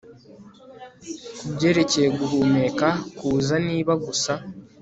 kubyerekeye guhumeka kuza niba gusa